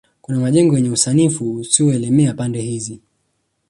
Kuna majengo yenye usanifu usioelemea pande hizi